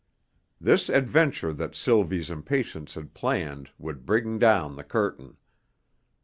This adventure that Sylvie's impatience had planned would bring down the curtain.